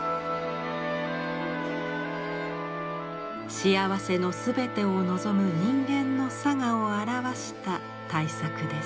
幸せの全てを望む人間のさがを表した大作です。